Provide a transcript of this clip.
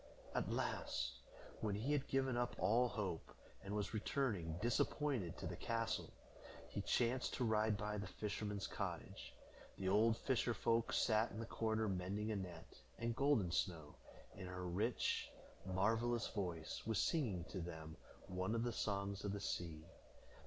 At last, when he had given up all hope, and was returning disappointed to the castle, he chanced to ride by the fisherman's cottage. The old fisher folk sat in the corner mending a net, and Golden Snow, in her rich, marvelous voice, was singing to them one of the songs of the sea.